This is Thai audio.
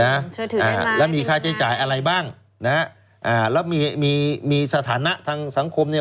เชื่อถืออ่าแล้วมีค่าใช้จ่ายอะไรบ้างนะฮะอ่าแล้วมีมีสถานะทางสังคมเนี่ย